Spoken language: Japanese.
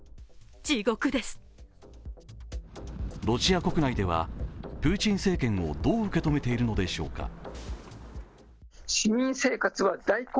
ロシア国内ではプーチン政権をどう受け止めているのでしょうか。